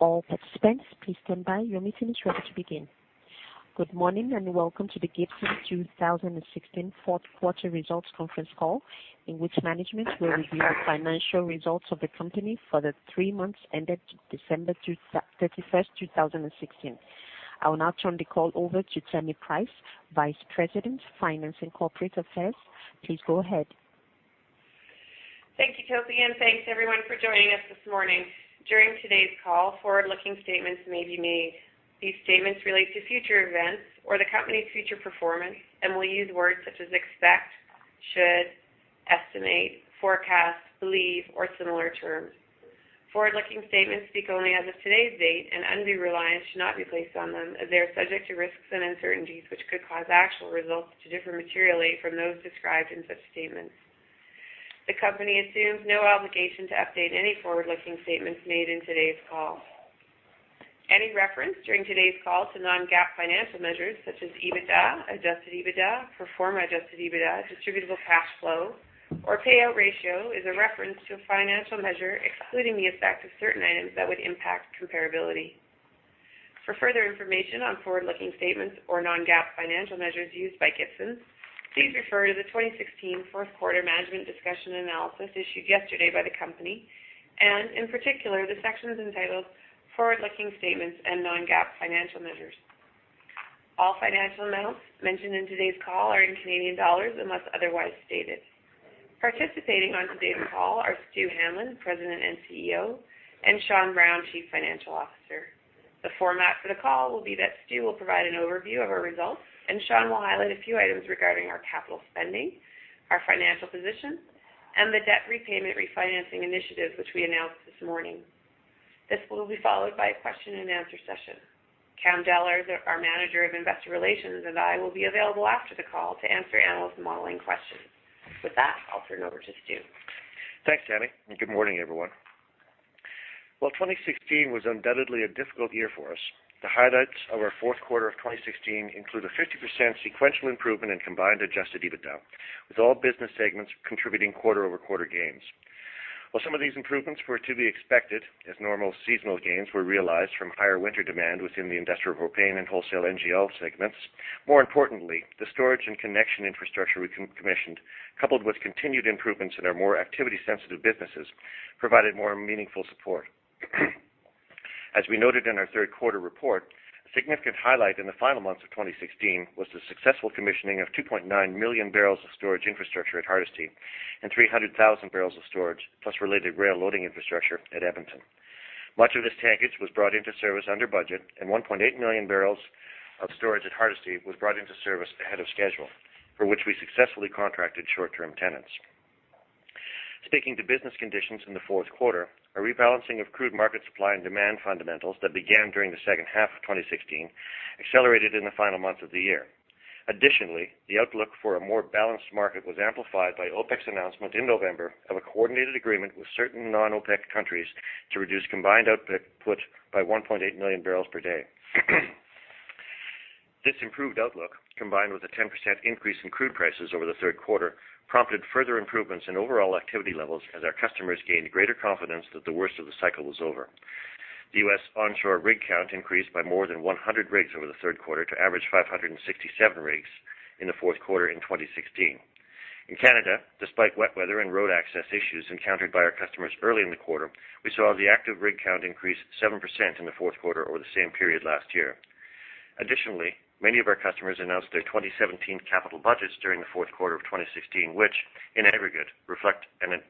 Good morning, and welcome to the Gibson 2016 Fourth Quarter Results Conference Call, in which management will review the financial results of the company for the three months ended December 31st, 2016. I will now turn the call over to Tammi Price, Vice President, Finance and Corporate Affairs. Please go ahead. Thank you, Toby, and thanks everyone for joining us this morning. During today's call, forward-looking statements may be made. These statements relate to future events or the company's future performance and will use words such as expect, should, estimate, forecast, believe, or similar terms. Forward-looking statements speak only as of today's date, and undue reliance should not be placed on them as they are subject to risks and uncertainties which could cause actual results to differ materially from those described in such statements. The company assumes no obligation to update any forward-looking statements made in today's call. Any reference during today's call to non-GAAP financial measures such as EBITDA, adjusted EBITDA, pro forma adjusted EBITDA, distributable cash flow, or payout ratio is a reference to a financial measure excluding the effect of certain items that would impact comparability. For further information on forward-looking statements or non-GAAP financial measures used by Gibson, please refer to the 2016 fourth quarter management discussion and analysis issued yesterday by the company and, in particular, the sections entitled Forward-Looking Statements and Non-GAAP Financial Measures. All financial amounts mentioned in today's call are in Canadian dollars unless otherwise stated. Participating on today's call are Stewart Hanlon, President and CEO, and Sean Brown, Chief Financial Officer. The format for the call will be that Stew will provide an overview of our results, and Sean will highlight a few items regarding our capital spending, our financial position, and the debt repayment refinancing initiative, which we announced this morning. This will be followed by a question and answer session. Cam Deller, our Manager of Investor Relations, and I will be available after the call to answer analyst modeling questions. With that, I'll turn it over to Stew. Thanks, Tammi, and good morning, everyone. While 2016 was undoubtedly a difficult year for us, the highlights of our fourth quarter of 2016 include a 50% sequential improvement in combined adjusted EBITDA, with all business segments contributing quarter-over-quarter gains. While some of these improvements were to be expected as normal seasonal gains were realized from higher winter demand within the Industrial Propane and wholesale NGL segments, more importantly, the storage and connection infrastructure we commissioned, coupled with continued improvements in our more activity-sensitive businesses, provided more meaningful support. As we noted in our third quarter report, a significant highlight in the final months of 2016 was the successful commissioning of 2.9 million bbl of storage infrastructure at Hardisty and 300,000 bbl of storage, plus related rail loading infrastructure at Edmonton. Much of this tankage was brought into service under budget, and 1.8 million bbl of storage at Hardisty was brought into service ahead of schedule, for which we successfully contracted short-term tenants. Speaking to business conditions in the fourth quarter, a rebalancing of crude market supply and demand fundamentals that began during the second half of 2016 accelerated in the final months of the year. Additionally, the outlook for a more balanced market was amplified by OPEC's announcement in November of a coordinated agreement with certain non-OPEC countries to reduce combined output by 1.8 million bpd. This improved outlook, combined with a 10% increase in crude prices over the third quarter, prompted further improvements in overall activity levels as our customers gained greater confidence that the worst of the cycle was over. The U.S. onshore rig count increased by more than 100 rigs over the third quarter to average 567 rigs in the fourth quarter in 2016. In Canada, despite wet weather and road access issues encountered by our customers early in the quarter, we saw the active rig count increase 7% in the fourth quarter over the same period last year. Additionally, many of our customers announced their 2017 capital budgets during the fourth quarter of 2016, which in aggregate reflected an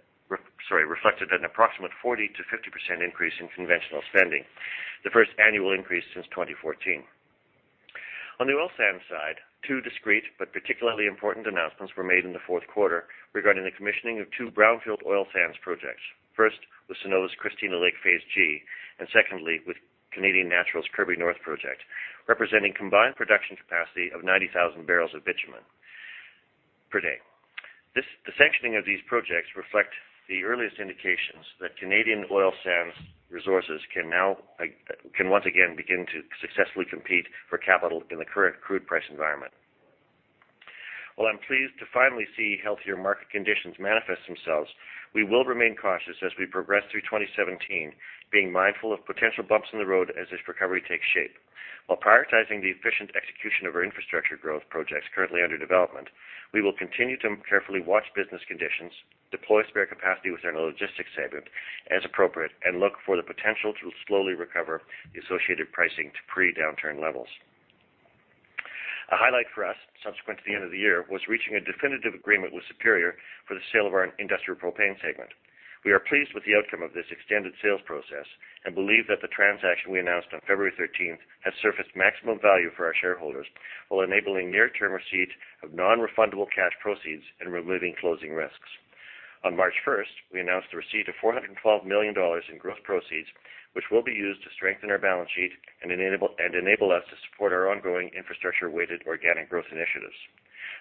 approximate 40%-50% increase in conventional spending, the first annual increase since 2014. On the oil sands side, two discrete but particularly important announcements were made in the fourth quarter regarding the commissioning of two brownfield oil sands projects, first with Cenovus' Christina Lake Phase G, and secondly with Canadian Natural's Kirby North project, representing combined production capacity of 90,000 barrels of bitumen per day. The sanctioning of these projects reflect the earliest indications that Canadian oil sands resources can once again begin to successfully compete for capital in the current crude price environment. While I'm pleased to finally see healthier market conditions manifest themselves, we will remain cautious as we progress through 2017, being mindful of potential bumps in the road as this recovery takes shape. While prioritizing the efficient execution of our infrastructure growth projects currently under development, we will continue to carefully watch business conditions, deploy spare capacity within the logistics segment as appropriate, and look for the potential to slowly recover the associated pricing to pre-downturn levels. A highlight for us subsequent to the end of the year was reaching a definitive agreement with Superior for the sale of our Industrial Propane segment. We are pleased with the outcome of this extended sales process and believe that the transaction we announced on February 13th has surfaced maximum value for our shareholders while enabling near-term receipt of non-refundable cash proceeds and removing closing risks. On March 1st, we announced the receipt of 412 million dollars in gross proceeds, which will be used to strengthen our balance sheet and enable us to support our ongoing infrastructure-weighted organic growth initiatives.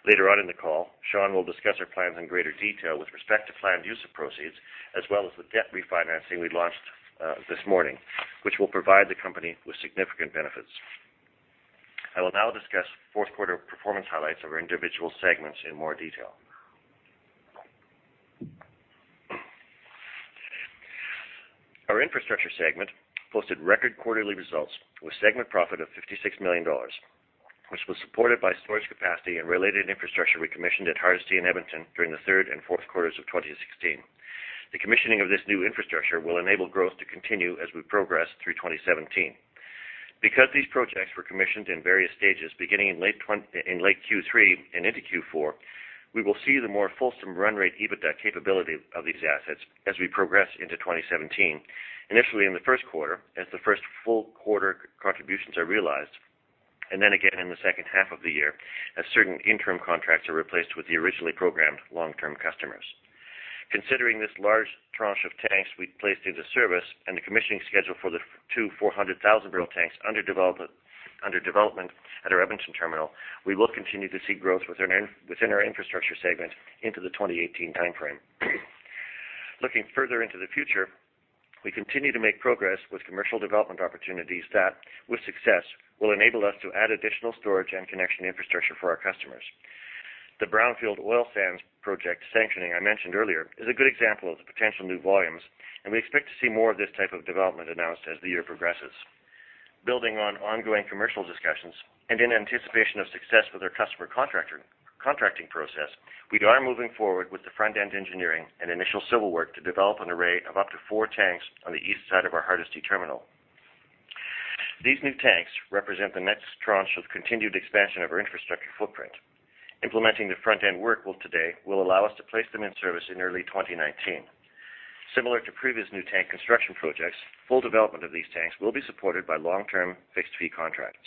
Later on in the call, Sean will discuss our plans in greater detail with respect to planned use of proceeds, as well as the debt refinancing we launched this morning, which will provide the company with significant benefits. I will now discuss fourth quarter performance highlights of our individual segments in more detail. Our Infrastructure segment posted record quarterly results with segment profit of 56 million dollars, which was supported by storage capacity and related infrastructure we commissioned at Hardisty and Edmonton during the third and fourth quarters of 2016. The commissioning of this new infrastructure will enable growth to continue as we progress through 2017. Because these projects were commissioned in various stages beginning in late Q3 and into Q4, we will see the more fulsome run rate EBITDA capability of these assets as we progress into 2017. Initially in the first quarter, as the first full quarter contributions are realized, and then again in the second half of the year, as certain interim contracts are replaced with the originally programmed long-term customers. Considering this large tranche of tanks we placed into service and the commissioning schedule for the two 400,000 bbl tanks under development at our Edmonton terminal, we will continue to see growth within our infrastructure segment into the 2018 timeframe. Looking further into the future, we continue to make progress with commercial development opportunities that, with success, will enable us to add additional storage and connection infrastructure for our customers. The Brownfield oil sands project sanctioning I mentioned earlier is a good example of the potential new volumes, and we expect to see more of this type of development announced as the year progresses. Building on ongoing commercial discussions and in anticipation of success with our customer contracting process, we are moving forward with the front-end engineering and initial civil work to develop an array of up to four tanks on the east side of our Hardisty terminal. These new tanks represent the next tranche of continued expansion of our infrastructure footprint. Implementing the front-end work today will allow us to place them in service in early 2019. Similar to previous new tank construction projects, full development of these tanks will be supported by long-term fixed-fee contracts.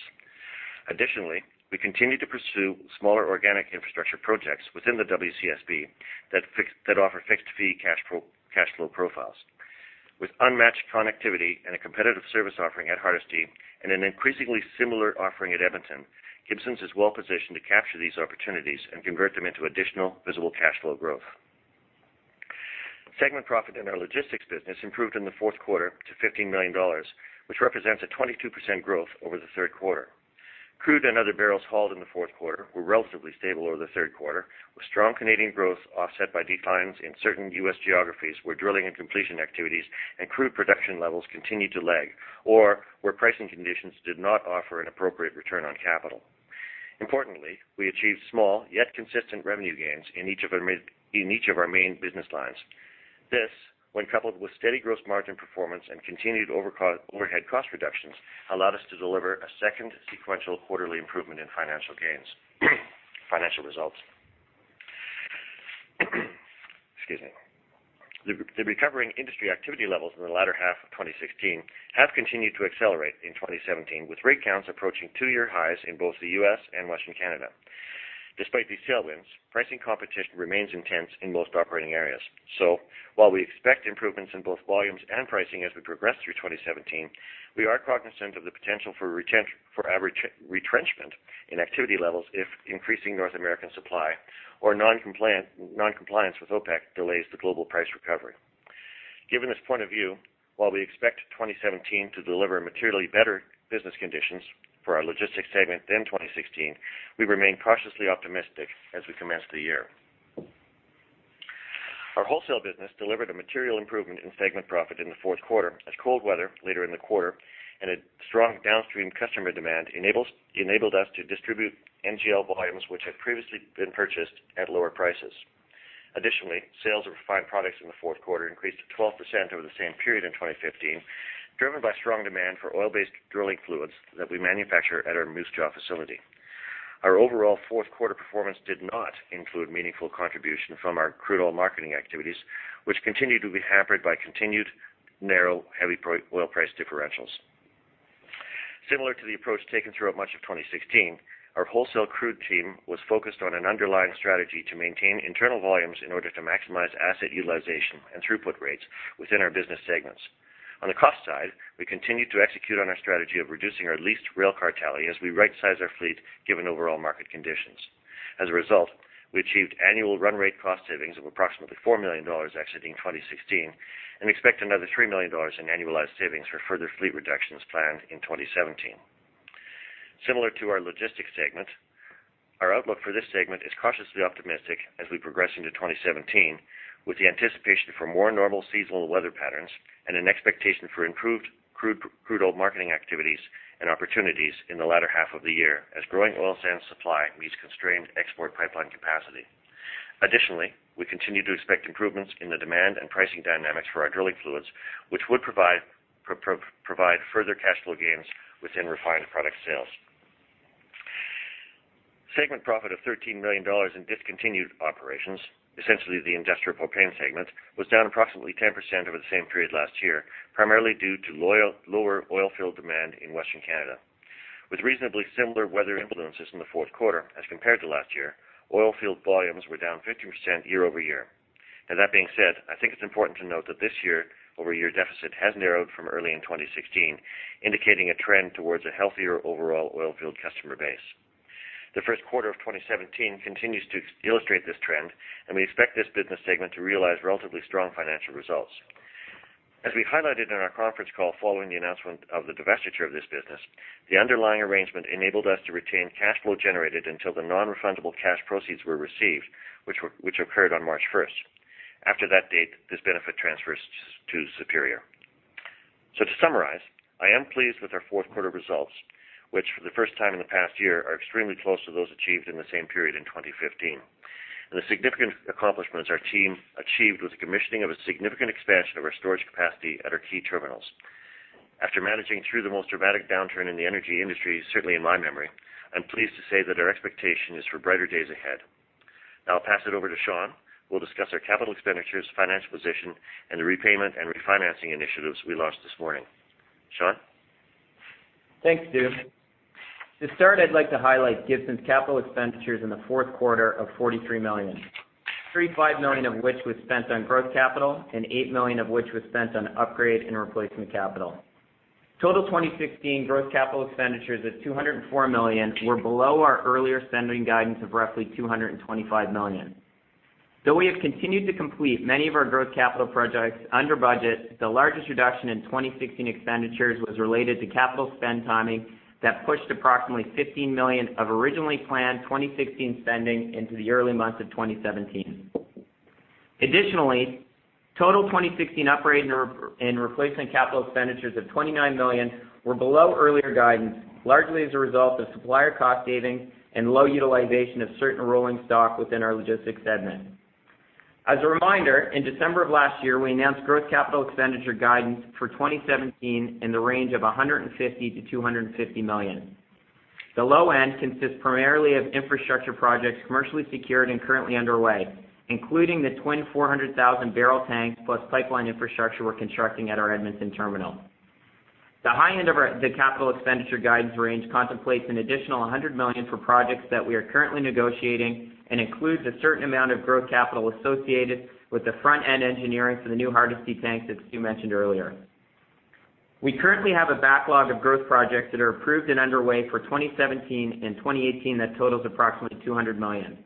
Additionally, we continue to pursue smaller organic infrastructure projects within the WCSB that offer fixed-fee cash flow profiles. With unmatched connectivity and a competitive service offering at Hardisty and an increasingly similar offering at Edmonton, Gibson's is well-positioned to capture these opportunities and convert them into additional visible cash flow growth. Segment profit in our logistics business improved in the fourth quarter to 15 million dollars, which represents a 22% growth over the third quarter. Crude and other barrels hauled in the fourth quarter were relatively stable over the third quarter, with strong Canadian growth offset by declines in certain U.S. geographies where drilling and completion activities and crude production levels continued to lag or where pricing conditions did not offer an appropriate return on capital. Importantly, we achieved small yet consistent revenue gains in each of our main business lines. This, when coupled with steady gross margin performance and continued overhead cost reductions, allowed us to deliver a second sequential quarterly improvement in financial results. Excuse me. The recovering industry activity levels in the latter half of 2016 have continued to accelerate in 2017, with rig counts approaching two-year highs in both the U.S. and Western Canada. Despite these tailwinds, pricing competition remains intense in most operating areas. While we expect improvements in both volumes and pricing as we progress through 2017, we are cognizant of the potential for retrenchment in activity levels if increasing North American supply or non-compliance with OPEC delays the global price recovery. Given this point of view, while we expect 2017 to deliver materially better business conditions for our logistics segment than 2016, we remain cautiously optimistic as we commence the year. Our wholesale business delivered a material improvement in segment profit in the fourth quarter as cold weather later in the quarter and a strong downstream customer demand enabled us to distribute NGL volumes, which had previously been purchased at lower prices. Additionally, sales of refined products in the fourth quarter increased 12% over the same period in 2015, driven by strong demand for oil-based drilling fluids that we manufacture at our Moose Jaw facility. Our overall fourth quarter performance did not include meaningful contribution from our crude oil marketing activities, which continued to be hampered by continued narrow heavy oil price differentials. Similar to the approach taken throughout much of 2016, our wholesale crude team was focused on an underlying strategy to maintain internal volumes in order to maximize asset utilization and throughput rates within our business segments. On the cost side, we continued to execute on our strategy of reducing our leased rail car tally as we right-size our fleet given overall market conditions. As a result, we achieved annual run rate cost savings of approximately CAD 4 million exiting 2016 and expect another 3 million dollars in annualized savings for further fleet reductions planned in 2017. Similar to our Logistics segment, our outlook for this segment is cautiously optimistic as we progress into 2017 with the anticipation for more normal seasonal weather patterns and an expectation for improved crude oil marketing activities and opportunities in the latter half of the year as growing oil sands supply meets constrained export pipeline capacity. Additionally, we continue to expect improvements in the demand and pricing dynamics for our drilling fluids, which would provide further cash flow gains within refined product sales. Segment profit of 13 million dollars in discontinued operations, essentially the Industrial Propane segment, was down approximately 10% over the same period last year, primarily due to lower oil field demand in Western Canada. With reasonably similar weather influences in the fourth quarter as compared to last year, oil field volumes were down 15% year-over-year. Now, that being said, I think it's important to note that this year-over-year deficit has narrowed from early in 2016, indicating a trend towards a healthier overall oil field customer base. The first quarter of 2017 continues to illustrate this trend, and we expect this business segment to realize relatively strong financial results. As we highlighted in our conference call following the announcement of the divestiture of this business, the underlying arrangement enabled us to retain cash flow generated until the nonrefundable cash proceeds were received, which occurred on March 1st. After that date, this benefit transfers to Superior. To summarize, I am pleased with our fourth quarter results, which for the first time in the past year, are extremely close to those achieved in the same period in 2015, and the significant accomplishments our team achieved with the commissioning of a significant expansion of our storage capacity at our key terminals. After managing through the most dramatic downturn in the energy industry, certainly in my memory, I'm pleased to say that our expectation is for brighter days ahead. Now I'll pass it over to Sean, who will discuss our capital expenditures, financial position, and the repayment and refinancing initiatives we launched this morning. Sean? Thanks, Stew. To start, I'd like to highlight Gibson's capital expenditures in the fourth quarter of 43 million, 35 million of which was spent on growth capital and 8 million of which was spent on upgrade and replacement capital. Total 2016 growth capital expenditures of 204 million were below our earlier spending guidance of roughly 225 million. Though we have continued to complete many of our growth capital projects under budget, the largest reduction in 2016 expenditures was related to capital spend timing that pushed approximately 15 million of originally planned 2016 spending into the early months of 2017. Additionally, total 2016 operating and replacement capital expenditures of 29 million were below earlier guidance, largely as a result of supplier cost savings and low utilization of certain rolling stock within our logistics segment. As a reminder, in December of last year, we announced growth capital expenditure guidance for 2017 in the range of 150 million-250 million. The low end consists primarily of infrastructure projects commercially secured and currently underway, including the twin 400,000 bbl tanks plus pipeline infrastructure we're constructing at our Edmonton terminal. The high end of the capital expenditure guidance range contemplates an additional 100 million for projects that we are currently negotiating and includes a certain amount of growth capital associated with the front-end engineering for the new Hardisty tanks that Stew mentioned earlier. We currently have a backlog of growth projects that are approved and underway for 2017 and 2018 that totals approximately 200 million.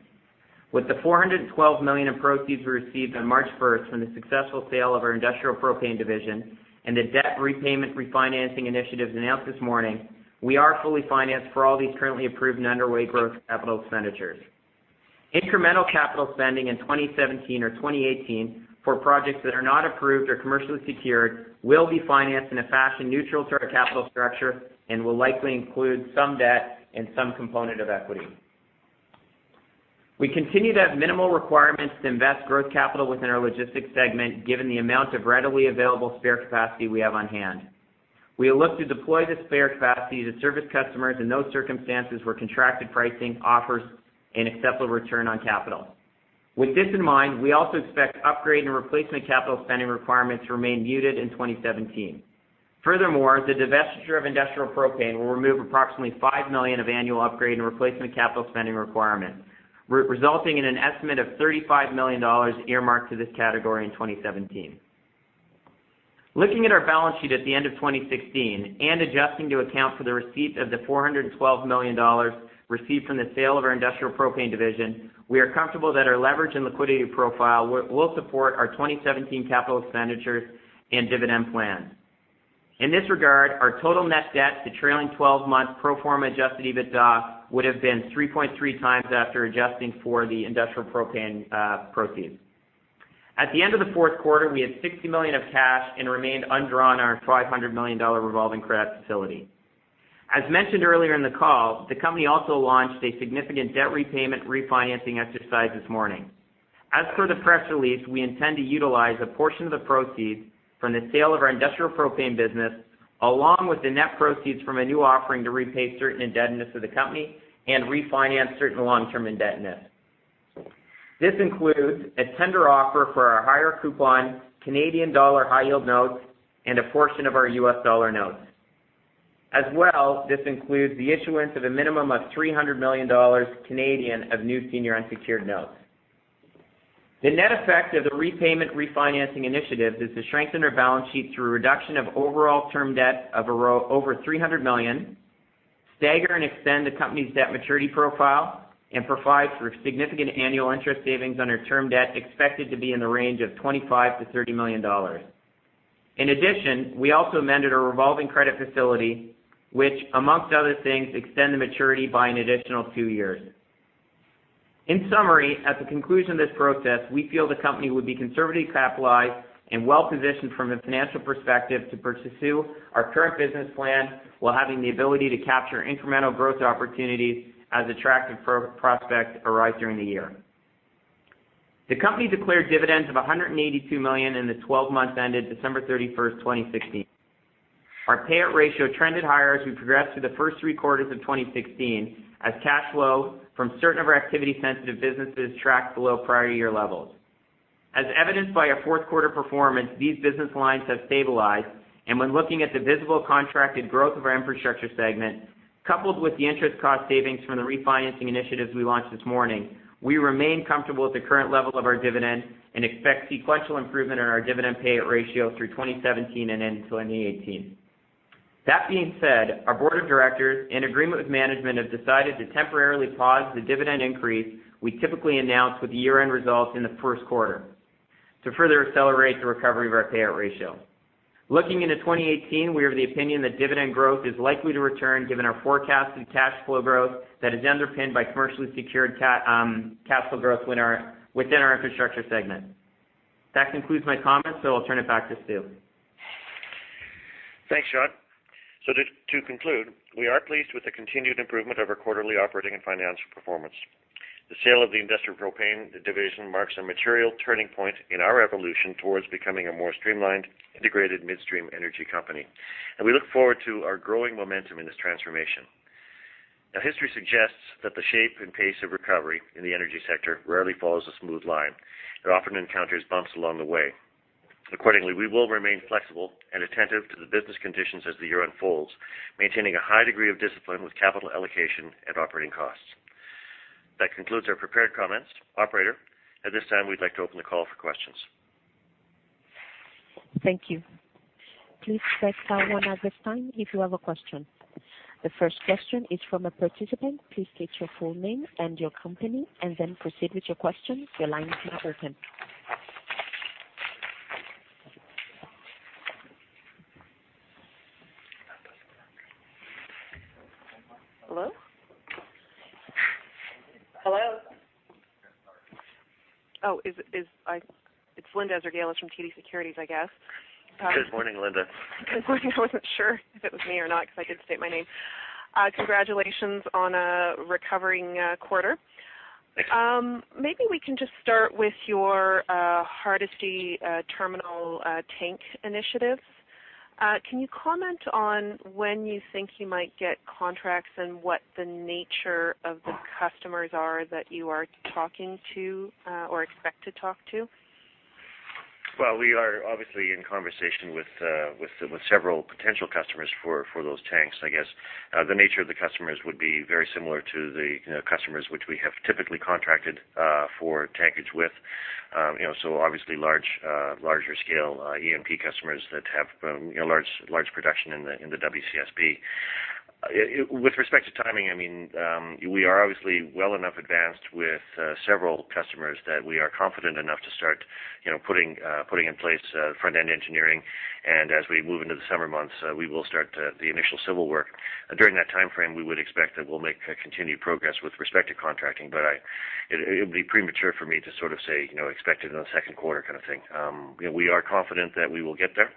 With the 412 million of proceeds we received on March 1st from the successful sale of our Industrial Propane division and the debt repayment refinancing initiatives announced this morning, we are fully financed for all these currently approved and underway growth capital expenditures. Incremental capital spending in 2017 or 2018 for projects that are not approved or commercially secured will be financed in a fashion neutral to our capital structure and will likely include some debt and some component of equity. We continue to have minimal requirements to invest growth capital within our logistics segment, given the amount of readily available spare capacity we have on hand. We will look to deploy this spare capacity to service customers in those circumstances where contracted pricing offers an acceptable return on capital. With this in mind, we also expect upgrade and replacement capital spending requirements to remain muted in 2017. Furthermore, the divestiture of Industrial Propane will remove approximately 5 million of annual upgrade and replacement capital spending requirements, resulting in an estimate of 35 million dollars earmarked to this category in 2017. Looking at our balance sheet at the end of 2016 and adjusting to account for the receipt of the 412 million dollars received from the sale of our Industrial Propane division, we are comfortable that our leverage and liquidity profile will support our 2017 capital expenditures and dividend plans. In this regard, our total net debt to trailing 12-month pro forma adjusted EBITDA would have been 3.3x after adjusting for the Industrial Propane proceeds. At the end of the fourth quarter, we had 60 million of cash and remained undrawn on our 500 million dollar revolving credit facility. As mentioned earlier in the call, the company also launched a significant debt repayment refinancing exercise this morning. As per the press release, we intend to utilize a portion of the proceeds from the sale of our Industrial Propane business, along with the net proceeds from a new offering to repay certain indebtedness of the company and refinance certain long-term indebtedness. This includes a tender offer for our higher coupon Canadian dollar high-yield notes and a portion of our U.S. dollar notes. As well, this includes the issuance of a minimum of 300 million Canadian dollars of new senior unsecured notes. The net effect of the repayment refinancing initiative is to strengthen our balance sheet through a reduction of overall term debt of over 300 million, stagger and extend the company's debt maturity profile, and provide for significant annual interest savings on our term debt expected to be in the range of 25 million-30 million dollars. In addition, we also amended our revolving credit facility, which, among other things, extend the maturity by an additional 2 years. In summary, at the conclusion of this process, we feel the company would be conservatively capitalized and well-positioned from a financial perspective to pursue our current business plan while having the ability to capture incremental growth opportunities as attractive prospects arise during the year. The company declared dividends of 182 million in the 12 months ended December 31st, 2016. Our payout ratio trended higher as we progressed through the first three quarters of 2016, as cash flow from certain of our activity-sensitive businesses tracked below prior year levels. As evidenced by our fourth quarter performance, these business lines have stabilized, and when looking at the visible contracted growth of our infrastructure segment, coupled with the interest cost savings from the refinancing initiatives we launched this morning, we remain comfortable with the current level of our dividend and expect sequential improvement in our dividend payout ratio through 2017 and into 2018. That being said, our Board of Directors, in agreement with management, have decided to temporarily pause the dividend increase we typically announce with the year-end results in the first quarter to further accelerate the recovery of our payout ratio. Looking into 2018, we are of the opinion that dividend growth is likely to return given our forecast and cash flow growth that is underpinned by commercially secured capital growth within our Infrastructure segment. That concludes my comments, so I'll turn it back to Stew. Thanks, Sean. To conclude, we are pleased with the continued improvement of our quarterly operating and financial performance. The sale of the Industrial Propane division marks a material turning point in our evolution towards becoming a more streamlined, integrated midstream energy company. We look forward to our growing momentum in this transformation. Now, history suggests that the shape and pace of recovery in the energy sector rarely follows a smooth line. It often encounters bumps along the way. Accordingly, we will remain flexible and attentive to the business conditions as the year unfolds, maintaining a high degree of discipline with capital allocation and operating costs. That concludes our prepared comments. Operator, at this time, we'd like to open the call for questions. Thank you. Please press star one at this time if you have a question. The first question is from a participant. Please state your full name and your company and then proceed with your question. Your line is now open. Hello? Hello. Oh, it's Linda Ezergailis from TD Securities, I guess. Good morning, Linda. Good morning. I wasn't sure if it was me or not because I did state my name. Congratulations on a recovering quarter. Thanks. Maybe we can just start with your Hardisty terminal tank initiatives. Can you comment on when you think you might get contracts and what the nature of the customers are that you are talking to or expect to talk to? Well, we are obviously in conversation with several potential customers for those tanks, I guess. The nature of the customers would be very similar to the customers which we have typically contracted for tankage with. Obviously larger scale E&P customers that have large production in the WCSB. With respect to timing, we are obviously well enough advanced with several customers that we are confident enough to start putting in place front-end engineering. As we move into the summer months, we will start the initial civil work. During that timeframe, we would expect that we'll make continued progress with respect to contracting. It would be premature for me to sort of say, expect it in the second quarter kind of thing. We are confident that we will get there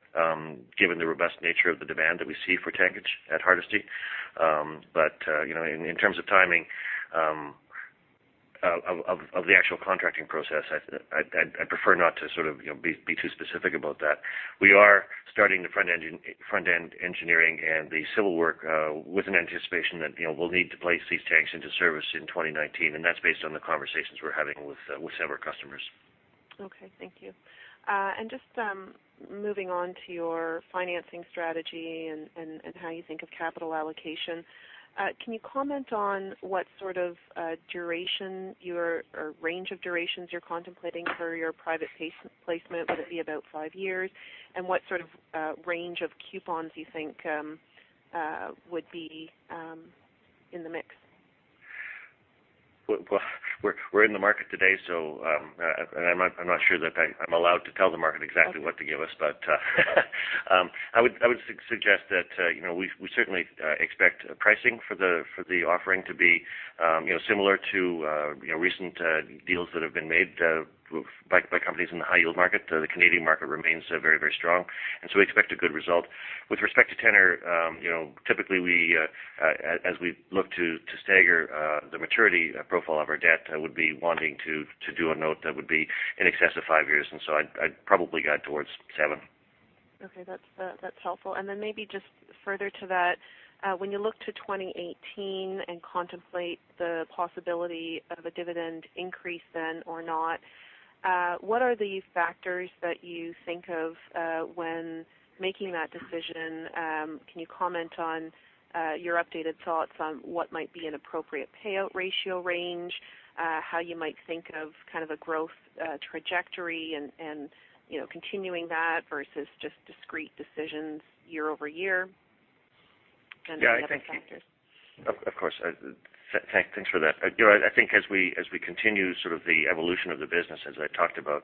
given the robust nature of the demand that we see for tankage at Hardisty. In terms of timing of the actual contracting process, I'd prefer not to be too specific about that. We are starting the front-end engineering and the civil work with an anticipation that we'll need to place these tanks into service in 2019, and that's based on the conversations we're having with several customers. Okay, thank you. Just moving on to your financing strategy and how you think of capital allocation. Can you comment on what sort of duration or range of durations you're contemplating for your private placement? Would it be about five years? What sort of range of coupons you think would be in the mix? We're in the market today, and I'm not sure that I'm allowed to tell the market exactly what to give us. I would suggest that we certainly expect pricing for the offering to be similar to recent deals that have been made by companies in the high-yield market. The Canadian market remains very, very strong, and so we expect a good result. With respect to tenor, typically as we look to stagger the maturity profile of our debt, would be wanting to do a note that would be in excess of five years. I'd probably guide towards seven. Okay. That's helpful. Maybe just further to that, when you look to 2018 and contemplate the possibility of a dividend increase then or not, what are the factors that you think of when making that decision? Can you comment on your updated thoughts on what might be an appropriate payout ratio range? How you might think of a growth trajectory and continuing that versus just discrete decisions year-over-year? Any other factors. Of course. Thanks for that. I think as we continue the evolution of the business, as I talked about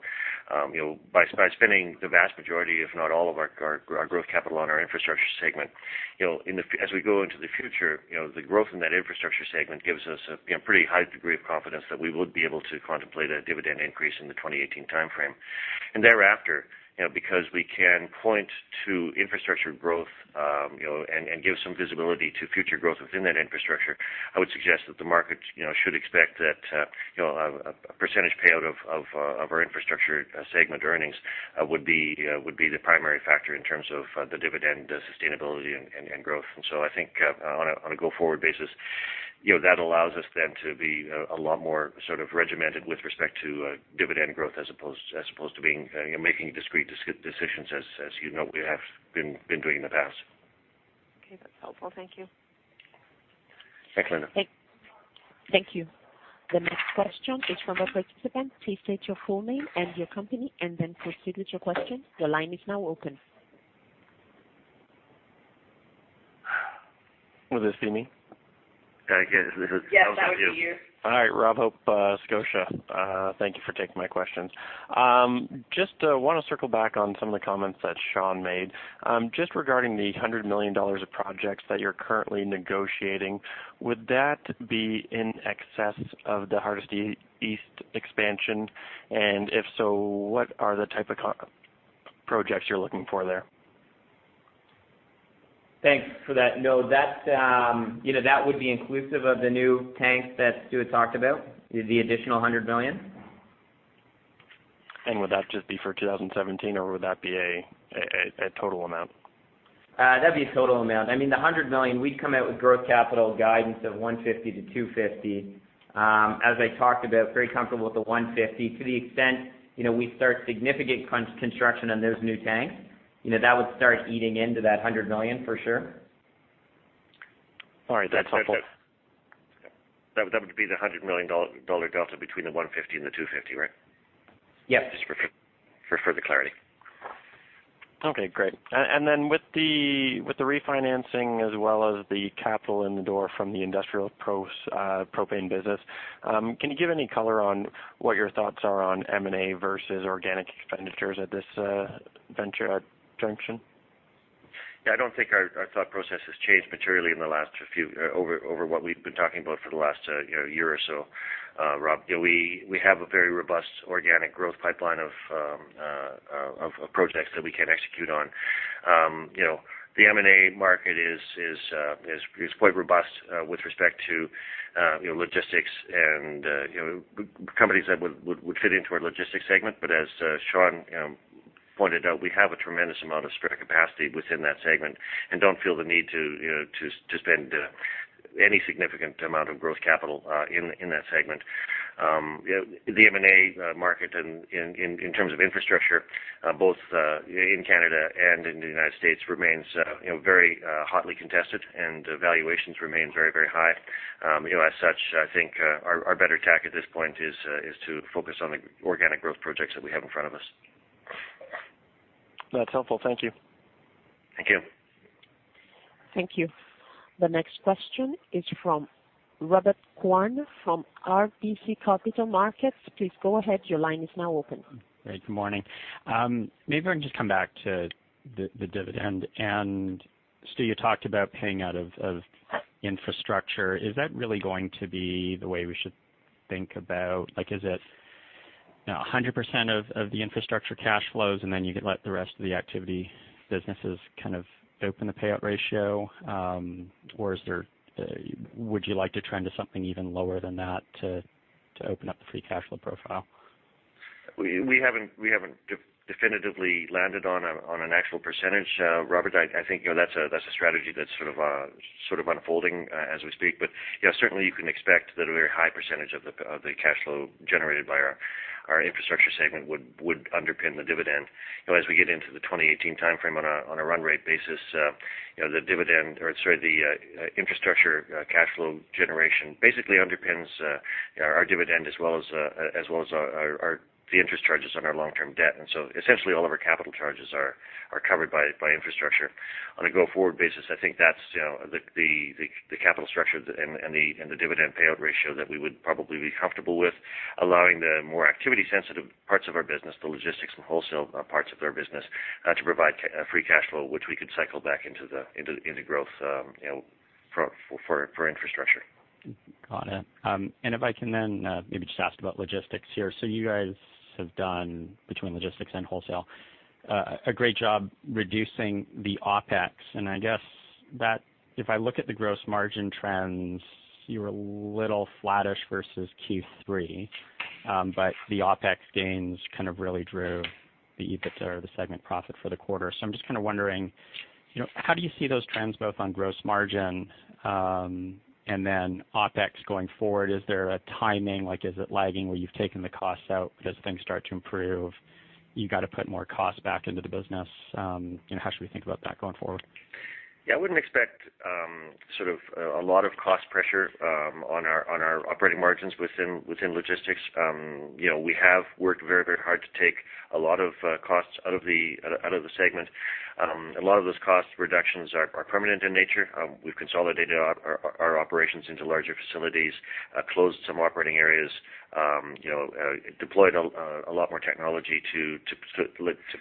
by spending the vast majority, if not all of our growth capital on our Infrastructure segment. As we go into the future, the growth in that Infrastructure segment gives us a pretty high degree of confidence that we would be able to contemplate a dividend increase in the 2018 timeframe. Thereafter, because we can point to infrastructure growth, and give some visibility to future growth within that infrastructure, I would suggest that the market should expect that a percentage payout of our Infrastructure segment earnings would be the primary factor in terms of the dividend sustainability and growth. I think on a go-forward basis, that allows us then to be a lot more regimented with respect to dividend growth as opposed to making discrete decisions as you know we have been doing in the past. Okay. That's helpful. Thank you. Thanks, Linda. Thank you. The next question is from a participant. Please state your full name and your company, and then proceed with your question. Your line is now open. Will this be me? I guess this is you. Yes, that was you. All right. Robert Hope, Scotiabank. Thank you for taking my questions. Just want to circle back on some of the comments that Sean made. Just regarding the 100 million dollars of projects that you're currently negotiating, would that be in excess of the Hardisty East expansion? And if so, what are the type of projects you're looking for there? Thanks for that. No, that would be inclusive of the new tanks that Stewart talked about, the additional 100 million. Would that just be for 2017, or would that be a total amount? That'd be a total amount. I mean, the 100 million, we'd come out with growth capital guidance of 150 million-250 million. As I talked about, very comfortable with the 150 million. To the extent we start significant construction on those new tanks, that would start eating into that 100 million for sure. All right. That's helpful. That would be the 100 million dollar delta between the 150 million and the 250 million, right? Yes. Just for further clarity. Okay, great. With the refinancing as well as the capital in the door from the Industrial Propane business, can you give any color on what your thoughts are on M&A versus organic expenditures at this juncture? Yeah, I don't think our thought process has changed materially over what we've been talking about for the last year or so, Rob. We have a very robust organic growth pipeline of projects that we can execute on. The M&A market is quite robust with respect to logistics and companies that would fit into our logistics segment. As Sean pointed out, we have a tremendous amount of spare capacity within that segment and don't feel the need to spend any significant amount of growth capital in that segment. The M&A market in terms of infrastructure, both in Canada and in the United States, remains very hotly contested and valuations remain very, very high. As such, I think our better tack at this point is to focus on the organic growth projects that we have in front of us. That's helpful. Thank you. Thank you. Thank you. The next question is from Robert Kwan from RBC Capital Markets. Please go ahead, your line is now open. Great. Good morning. Maybe if I can just come back to the dividend. Stew, you talked about paying out of infrastructure. Is that really going to be the way we should think about? Is it 100% of the infrastructure cash flows and then you can let the rest of the activity businesses open the payout ratio? Or would you like to trend to something even lower than that to open up the free cash flow profile? We haven't definitively landed on an actual percentage, Robert. I think that's a strategy that's sort of unfolding as we speak. Certainly you can expect that a very high percentage of the cash flow generated by our Infrastructure segment would underpin the dividend. As we get into the 2018 timeframe on a run rate basis, the dividend or, sorry, the infrastructure cash flow generation basically underpins our dividend as well as the interest charges on our long-term debt. Essentially all of our capital charges are covered by infrastructure. On a go-forward basis, I think that's the capital structure and the dividend payout ratio that we would probably be comfortable with allowing the more activity-sensitive parts of our business, the logistics and wholesale parts of our business to provide free cash flow, which we could cycle back into growth for infrastructure. Got it. If I can then maybe just ask about logistics here. You guys have done, between logistics and wholesale, a great job reducing the OpEx. I guess that if I look at the gross margin trends, you were a little flattish versus Q3. The OpEx gains really drove the EBITDA or the segment profit for the quarter. I'm just wondering, how do you see those trends both on gross margin and then OpEx going forward? Is there a timing? Is it lagging where you've taken the costs out, but as things start to improve, you got to put more cost back into the business? How should we think about that going forward? Yeah, I wouldn't expect a lot of cost pressure on our operating margins within logistics. We have worked very hard to take a lot of costs out of the segment. A lot of those cost reductions are permanent in nature. We've consolidated our operations into larger facilities, closed some operating areas, deployed a lot more technology to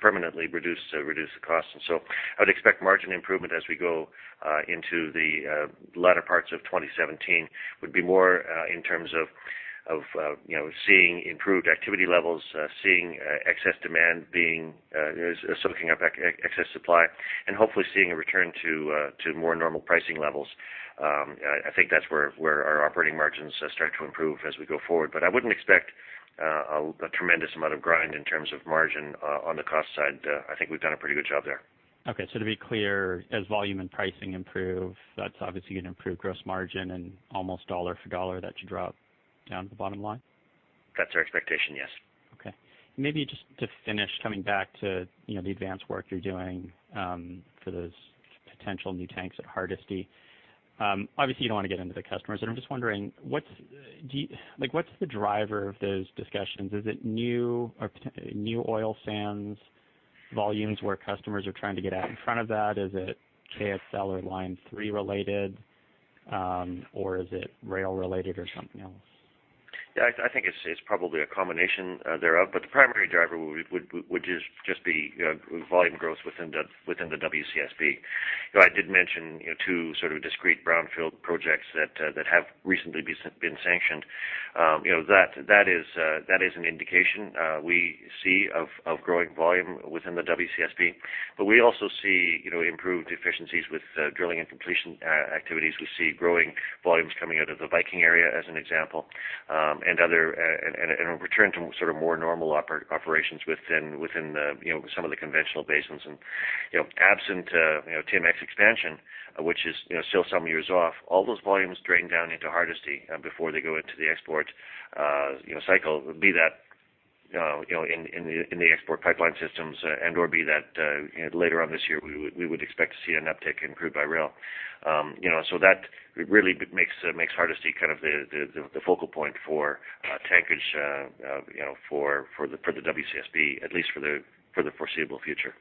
permanently reduce the costs. I would expect margin improvement as we go into the latter parts of 2017 would be more in terms of seeing improved activity levels, seeing excess demand soaking up excess supply, and hopefully seeing a return to more normal pricing levels. I think that's where our operating margins start to improve as we go forward. I wouldn't expect a tremendous amount of grind in terms of margin on the cost side. I think we've done a pretty good job there. Okay. To be clear, as volume and pricing improve, that's obviously going to improve gross margin and almost dollar for dollar that should drop down to the bottom line? That's our expectation, yes. Okay. Maybe just to finish coming back to the advance work you're doing for those potential new tanks at Hardisty. Obviously, you don't want to get into the customers, and I'm just wondering, what's the driver of those discussions? Is it new oil sands volumes where customers are trying to get out in front of that? Is it KXL or Line 3 related? Or is it rail related or something else? Yeah, I think it's probably a combination thereof, but the primary driver would just be volume growth within the WCSB. I did mention two sort of discrete Brownfield projects that have recently been sanctioned. That is an indication we see of growing volume within the WCSB. We also see improved efficiencies with drilling and completion activities. We see growing volumes coming out of the Viking area, as an example, and a return to sort of more normal operations within some of the conventional basins. Absent TMX expansion, which is still some years off, all those volumes drain down into Hardisty before they go into the export cycle. Be that in the export pipeline systems and/or be that later on this year, we would expect to see an uptick in crude by rail. That really makes Hardisty kind of the focal point for tankage for the WCSB, at least for the foreseeable future.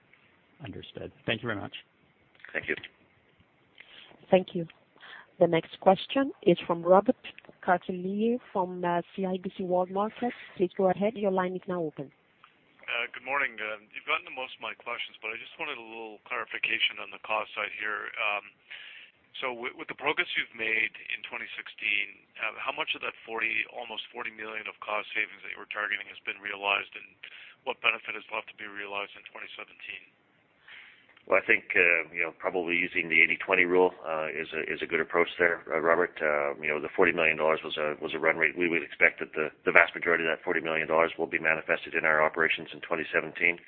Understood. Thank you very much. Thank you. Thank you. The next question is from Robert Catellier from CIBC Capital Markets. Please go ahead. Your line is now open. Good morning. You've gotten to most of my questions, but I just wanted a little clarification on the cost side here. With the progress you've made in 2016, how much of that almost 40 million of cost savings that you were targeting has been realized, and what benefit is left to be realized in 2017? Well, I think, probably using the 80/20 rule is a good approach there, Robert. The 40 million dollars was a run rate. We would expect that the vast majority of that 40 million dollars will be manifested in our operations in 2017.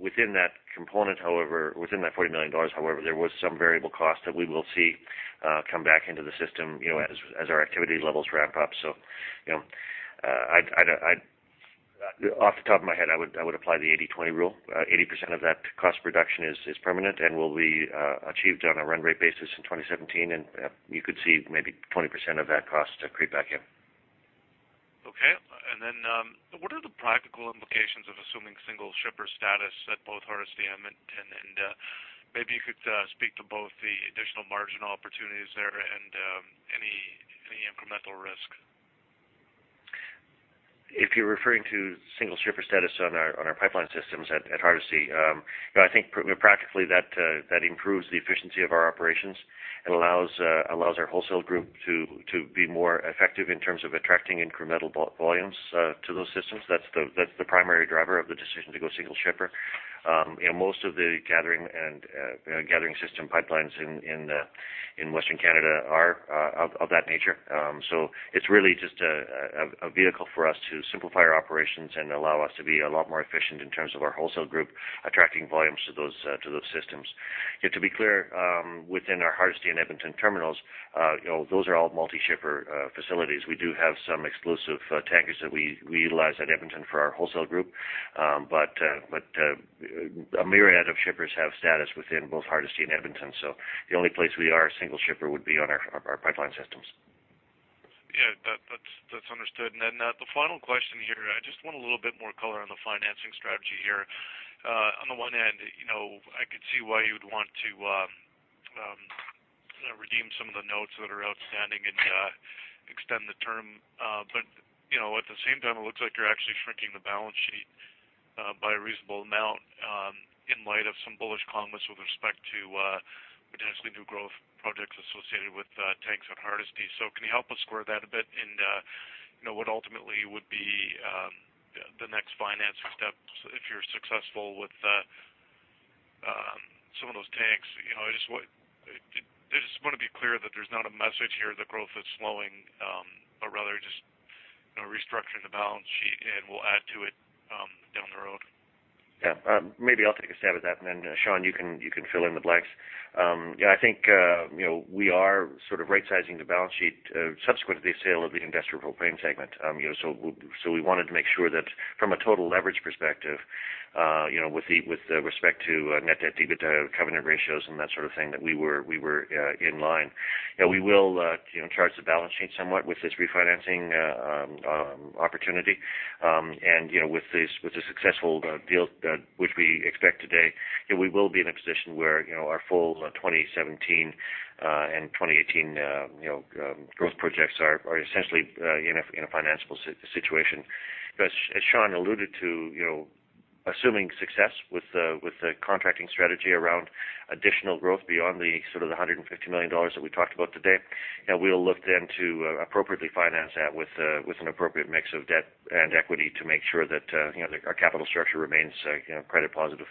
Within that component, however, within that 40 million dollars, however, there was some variable cost that we will see come back into the system, as our activity levels ramp up. Off the top of my head, I would apply the 80/20 rule. 80% of that cost reduction is permanent and will be achieved on a run rate basis in 2017, and you could see maybe 20% of that cost creep back in. Okay. What are the practical implications of assuming single shipper status at both Hardisty and maybe you could speak to both the additional margin opportunities there and any incremental risk? If you're referring to single shipper status on our pipeline systems at Hardisty, I think practically that improves the efficiency of our operations and allows our wholesale group to be more effective in terms of attracting incremental volumes to those systems. That's the primary driver of the decision to go single shipper. Most of the gathering system pipelines in Western Canada are of that nature. It's really just a vehicle for us to simplify our operations and allow us to be a lot more efficient in terms of our wholesale group attracting volumes to those systems. To be clear, within our Hardisty and Edmonton terminals, those are all multi-shipper facilities. We do have some exclusive tankers that we utilize at Edmonton for our wholesale group. A myriad of shippers have status within both Hardisty and Edmonton, so the only place we are a single shipper would be on our pipeline systems. Yeah, that's understood. The final question here, I just want a little bit more color on the financing strategy here. On the one hand, I could see why you'd want to redeem some of the notes that are outstanding and extend the term. At the same time, it looks like you're actually shrinking the balance sheet by a reasonable amount in light of some bullish comments with respect to potentially new growth projects associated with tanks at Hardisty. Can you help us square that a bit and what ultimately would be the next financing steps if you're successful with some of those tanks? I just want to be clear that there's not a message here that growth is slowing, but rather just restructuring the balance sheet and we'll add to it down the road. Yeah. Maybe I'll take a stab at that and then Sean, you can fill in the blanks. Yeah, I think we are sort of right-sizing the balance sheet subsequent to the sale of the Industrial Propane segment. We wanted to make sure that from a total leverage perspective, with respect to net debt-to-EBITDA covenant ratios and that sort of thing, that we were in line. We will fortify the balance sheet somewhat with this refinancing opportunity. With the successful deal which we expect today, we will be in a position where our full 2017 and 2018 growth projects are essentially in a financeable situation. As Sean alluded to, assuming success with the contracting strategy around additional growth beyond the sort of the 150 million dollars that we talked about today, we'll look then to appropriately finance that with an appropriate mix of debt and equity to make sure that our capital structure remains credit positive.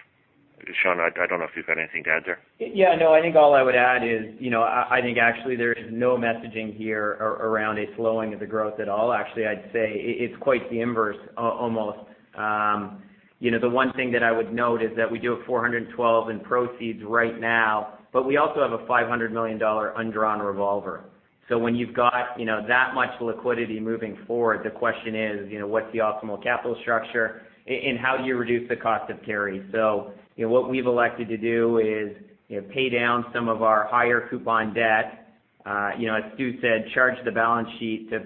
Sean, I don't know if you've got anything to add there. Yeah. No, I think all I would add is, I think actually there is no messaging here around a slowing of the growth at all. Actually, I'd say it's quite the inverse, almost. The one thing that I would note is that we do have 412 million in proceeds right now, but we also have a 500 million dollar undrawn revolver. When you've got that much liquidity moving forward, the question is, what's the optimal capital structure and how do you reduce the cost of carry? What we've elected to do is pay down some of our higher coupon debt. As Stew said, strengthen the balance sheet to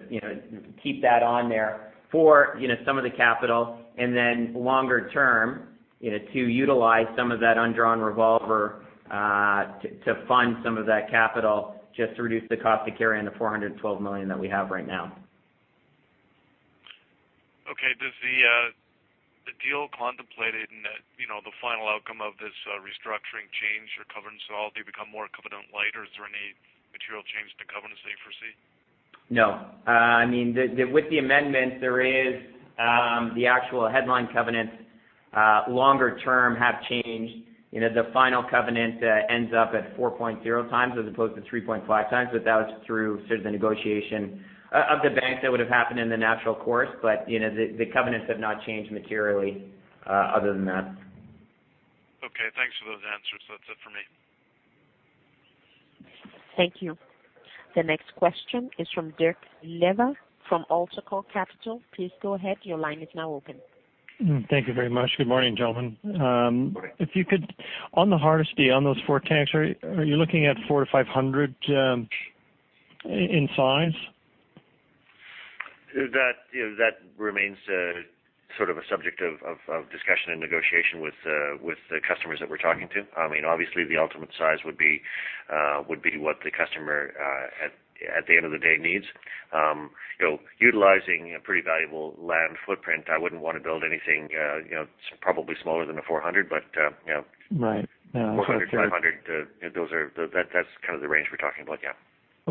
keep that on there for some of the capital and then longer term, to utilize some of that undrawn revolver to fund some of that capital just to reduce the cost of carry on the 412 million that we have right now. Okay. Does the deal contemplated in the final outcome of this restructuring change your covenant structure become more covenant-lite, or is there any material change to covenants that you foresee? No. With the amendments, there is the actual headline covenants, longer term have changed. The final covenant ends up at 4.0x as opposed to 3.5x, but that was through sort of the negotiation of the banks that would have happened in the natural course, but the covenants have not changed materially other than that. Okay, thanks for those answers. That's it for me. Thank you. The next question is from Dirk Lever from AltaCorp Capital. Please go ahead. Your line is now open. Thank you very much. Good morning, gentlemen. Good morning. If you could, on the Hardisty, on those four tanks, are you looking at 400-500 in size? That remains sort of a subject of discussion and negotiation with the customers that we're talking to. Obviously, the ultimate size would be what the customer, at the end of the day, needs. Utilizing a pretty valuable land footprint, I wouldn't want to build anything probably smaller than a 400, but. Right. 400, 500, that's kind of the range we're talking about, yeah.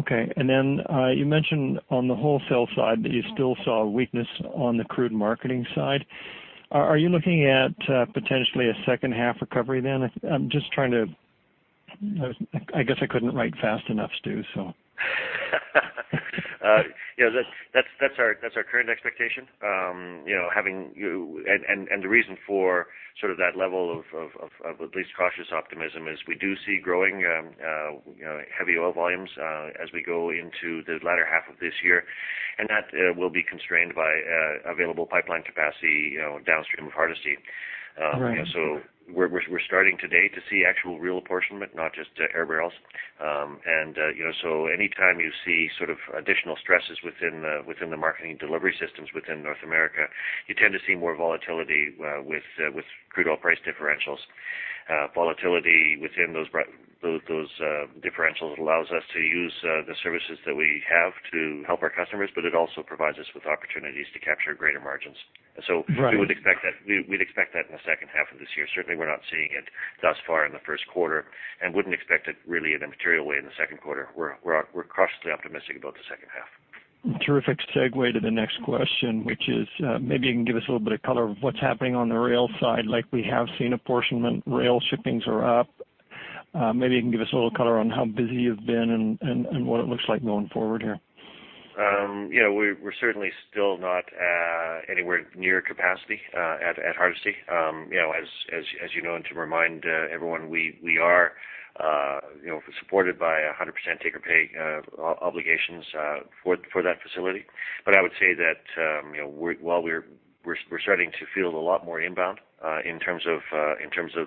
Okay. You mentioned on the wholesale side that you still saw weakness on the crude marketing side. Are you looking at potentially a second half recovery then? I'm just trying to, I guess, I couldn't write fast enough, Stew. That's our current expectation. The reason for sort of that level of at least cautious optimism is we do see growing heavy oil volumes as we go into the latter half of this year, and that will be constrained by available pipeline capacity downstream of Hardisty. Right. We're starting today to see actual real apportionment, not just air barrels. Anytime you see sort of additional stresses within the marketing delivery systems within North America, you tend to see more volatility with crude oil price differentials. Volatility within those differentials allows us to use the services that we have to help our customers, but it also provides us with opportunities to capture greater margins. Right. We'd expect that in the second half of this year. Certainly, we're not seeing it thus far in the first quarter and wouldn't expect it really in a material way in the second quarter. We're cautiously optimistic about the second half. Terrific segue to the next question, which is, maybe you can give us a little bit of color of what's happening on the rail side. Like we have seen apportionment, rail shipments are up. Maybe you can give us a little color on how busy you've been and what it looks like going forward here. We're certainly still not anywhere near capacity at Hardisty. As you know, and to remind everyone, we are supported by 100% take or pay obligations for that facility. I would say that while we're starting to feel a lot more inbound in terms of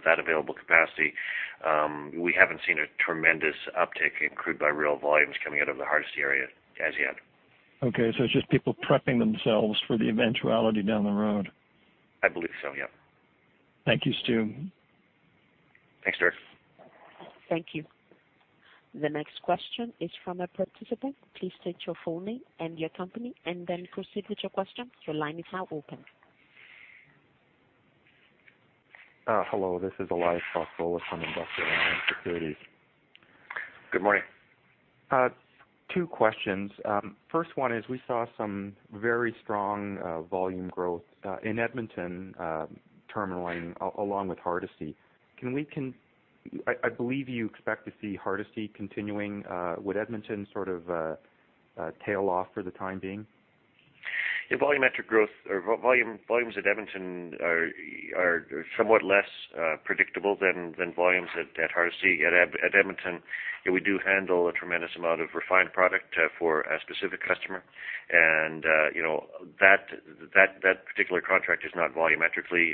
that available capacity, we haven't seen a tremendous uptick in crude by rail volumes coming out of the Hardisty area as yet. Okay, it's just people prepping themselves for the eventuality down the road. I believe so, yeah. Thank you, Stew. Thanks, Dirk. Thank you. The next question is from a participant. Please state your full name and your company, and then proceed with your question. Your line is now open. Hello, this is Elias Foscolos from Industrial Alliance Securities. Good morning. Two questions. First one is, we saw some very strong volume growth in Edmonton Terminal along with Hardisty. I believe you expect to see Hardisty continuing. Would Edmonton sort of tail off for the time being? Yeah. Volumetric growth or volumes at Edmonton are somewhat less predictable than volumes at Hardisty. At Edmonton, we do handle a tremendous amount of refined product for a specific customer, and that particular contract is not volumetrically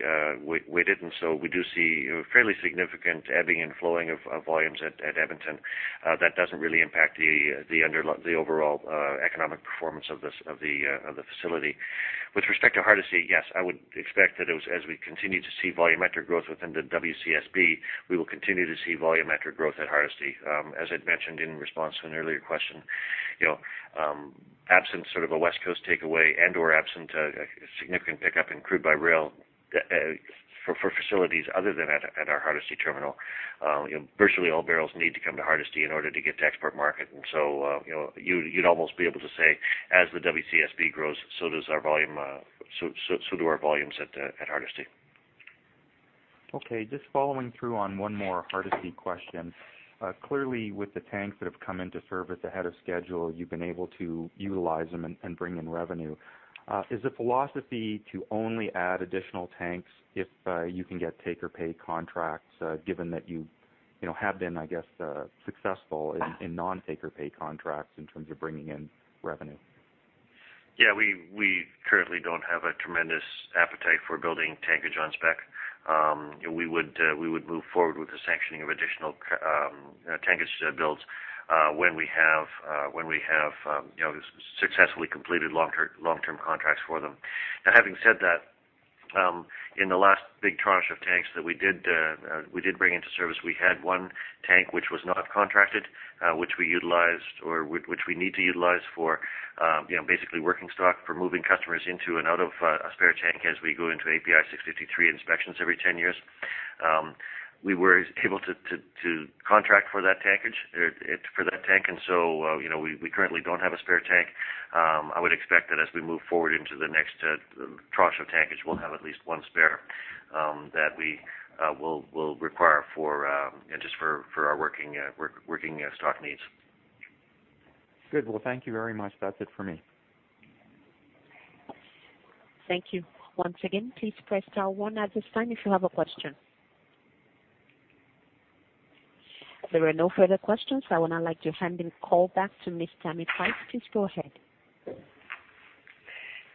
weighted, and so we do see fairly significant ebbing and flowing of volumes at Edmonton. That doesn't really impact the overall economic performance of the facility. With respect to Hardisty, yes, I would expect that as we continue to see volumetric growth within the WCSB, we will continue to see volumetric growth at Hardisty. As I'd mentioned in response to an earlier question, in the absence of a West Coast takeaway and/or absent a significant pickup in crude by rail for facilities other than at our Hardisty terminal, virtually all barrels need to come to Hardisty in order to get to export market. You'd almost be able to say, as the WCSB grows, so do our volumes at Hardisty. Okay, just following through on one more Hardisty question. Clearly, with the tanks that have come into service ahead of schedule, you've been able to utilize them and bring in revenue. Is the philosophy to only add additional tanks if you can get take or pay contracts, given that you have been, I guess, successful in non-take or pay contracts in terms of bringing in revenue? Yeah, we currently don't have a tremendous appetite for building tankage on spec. We would move forward with the sanctioning of additional tankage builds when we have successfully completed long-term contracts for them. Now, having said that, in the last big tranche of tanks that we did bring into service, we had one tank which was not contracted, which we utilized or which we need to utilize for basically working stock for moving customers into and out of a spare tank as we go into API 653 inspections every 10 years. We were able to contract for that tank, and so we currently don't have a spare tank. I would expect that as we move forward into the next tranche of tankage, we'll have at least one spare that we will require just for our working stock needs. Good. Well, thank you very much. That's it for me. Thank you. Once again, please press star one at this time if you have a question. There are no further questions. I would now like to hand the call back to Ms. Tammi Price. Please go ahead.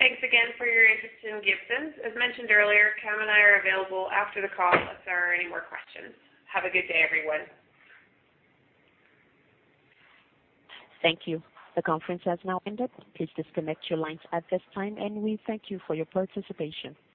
Thanks again for your interest in Gibson. As mentioned earlier, Cam and I are available after the call if there are any more questions. Have a good day, everyone. Thank you. The conference has now ended. Please disconnect your lines at this time, and we thank you for your participation.